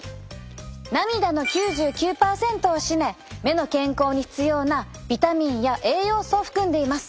涙の９９％を占め目の健康に必要なビタミンや栄養素を含んでいます。